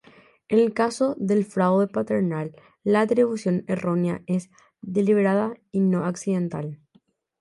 En el caso del fraude paternal la atribución errónea es deliberada y no accidental.